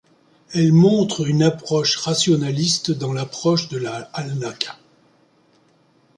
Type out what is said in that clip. Elles montrent une approche rationaliste dans l'approche de la Halakha.